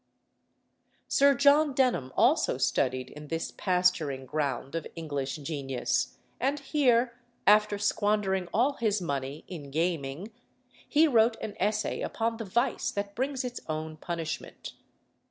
Sir John Denham also studied in this pasturing ground of English genius; and here, after squandering all his money in gaming, he wrote an essay upon the vice that brings its own punishment.